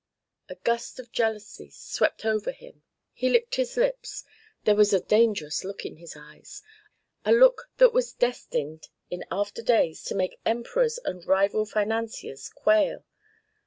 A gust of jealousy swept over him. He licked his lips. There was a dangerous look in his eyes a look that was destined in after days to make Emperors and rival financiers quail.